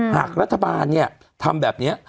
หากรัฐบาลทำแบบนี้